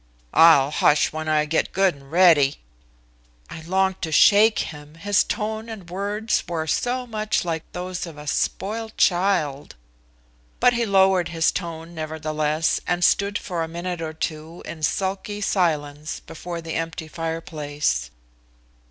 "I'll hush when I get good and ready." I longed to shake him, his tone and words were so much like those of a spoiled child. But he lowered his tone, nevertheless, and stood for a minute or two in sulky silence before the empty fireplace.